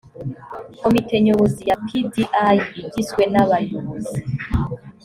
komite nyobozi ya pdi igizwe n’abayobozi